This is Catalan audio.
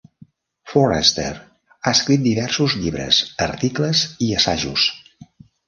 Forrester ha escrit diversos llibres, articles i assajos.